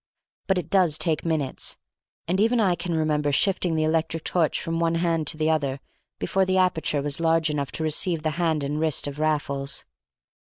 But it does take minutes, and even I can remember shifting the electric torch from one hand to the other before the aperture was large enough to receive the hand and wrist of Raffles.